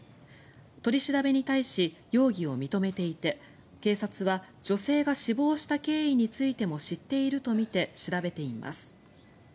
取り調べに対し容疑を認めていて警察は女性が死亡した経緯についても知っているとみて調べています。